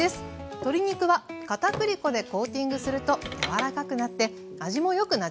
鶏肉は片栗粉でコーティングすると柔らかくなって味もよくなじみます。